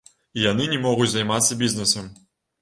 І яны не могуць займацца бізнесам.